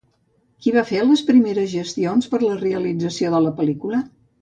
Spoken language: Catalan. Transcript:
Qui va fer les primeres gestions per a la realització de la pel·lícula?